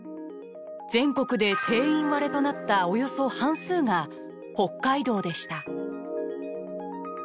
全国で定員割れとなったおよそ半数が北海道でした。